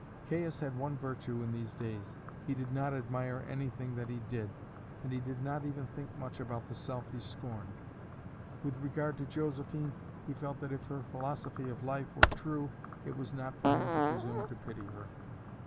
Caius had one virtue in these days: he did not admire anything that he did, and he did not even think much about the self he scorned. With regard to Josephine, he felt that if her philosophy of life were true it was not for him to presume to pity her.